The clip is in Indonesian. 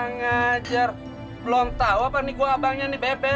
nggak ngajar belom tahu apa nih gue abangnya nih beben